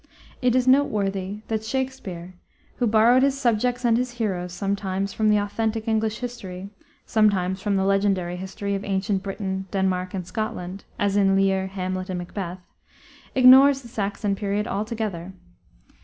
It is noteworthy that Shakspere, who borrowed his subjects and his heroes sometimes from authentic English history, sometimes from the legendary history of ancient Britain, Denmark, and Scotland, as in Lear, Hamlet, and Macbeth, ignores the Saxon period altogether.